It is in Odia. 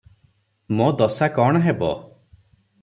ମୋ ଦଶା କଣ ହେବ?